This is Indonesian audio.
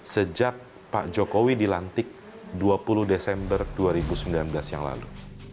sejak pak jokowi dilantik dua puluh desember dua ribu sembilan belas yang lalu